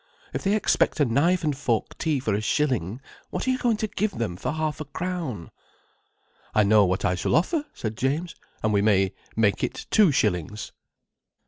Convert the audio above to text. If they expect a knife and fork tea for a shilling, what are you going to give them for half a crown?" "I know what I shall offer," said James. "And we may make it two shillings."